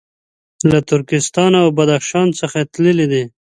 له ترکستان او بدخشان څخه تللي دي.